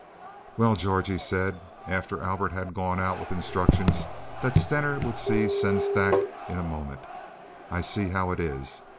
"Well, George," he said, after Albert had gone out with instructions that Stener would see Sengstack in a moment. "I see how it is.